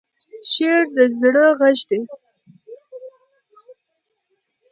شعر د زړه غږ دی.